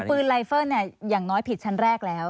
คือปืนไลเฟิร์นเนี่ยอย่างน้อยผิดชั้นแรกแล้ว